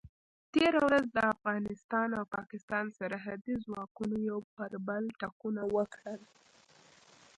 تېره ورځ د افغانستان او پاکستان سرحدي ځواکونو یو پر بل ټکونه وکړل.